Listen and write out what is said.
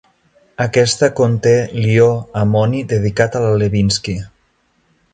Aquesta conté l'ió amoni dedicat a la Lewinsky.